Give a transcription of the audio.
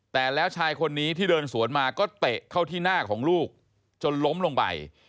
แต่แล้วชายคนนี้ที่เดินสวนมาก็เตะเข้าที่หน้าของลูกจนล้มลงไป